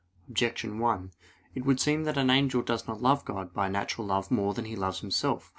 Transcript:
Objection 1: It would seem that the angel does not love God by natural love more than he loves himself.